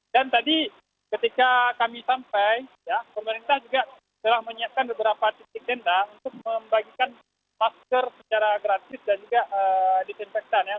dan tadi ketika kami sampai pemerintah juga telah menyiapkan beberapa titik tendang untuk membagikan masker secara gratis dan juga disinfektan